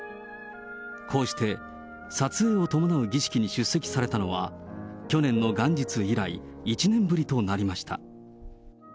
こうして撮影を伴う儀式に出席されたのは、去年の元日以来、１年ぶりとなりました。